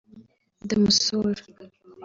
ndamusura